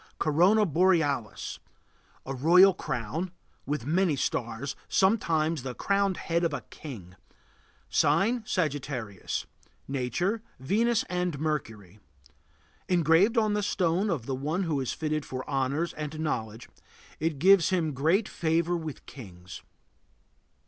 CORONA BOREALIS. A royal crown, with many stars; sometimes the crowned head of a king. Sign: Sagittarius. Nature: Venus and Mercury. Engraved on the stone of one who is fitted for honors and knowledge, it gives him great favor with kings.